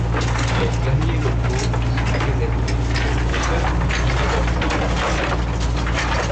Les fermiers locaux son préservés et peuvent cultiver leurs champs en paix.